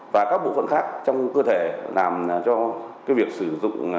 và các bộ phận khác trong cơ thể làm cho việc sử dụng